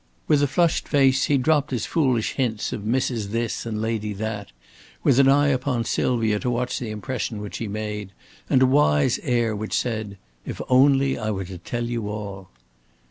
With a flushed face he dropped his foolish hints of Mrs. This and Lady That, with an eye upon Sylvia to watch the impression which he made, and a wise air which said "If only I were to tell you all."